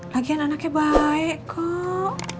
lagian anaknya baik kok